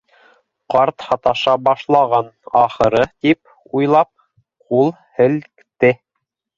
Ҡарт һаташа башлаған, ахыры, тип уйлап, ҡул һелкте.